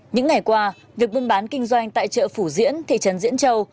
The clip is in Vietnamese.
những ngày qua việc buôn bán kinh doanh tại chợ phủ diễn thị trấn diễn châu